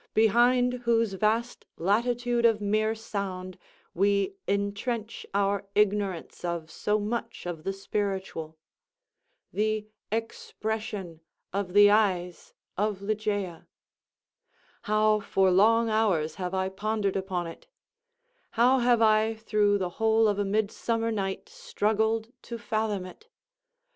behind whose vast latitude of mere sound we intrench our ignorance of so much of the spiritual. The expression of the eyes of Ligeia! How for long hours have I pondered upon it! How have I, through the whole of a midsummer night, struggled to fathom it!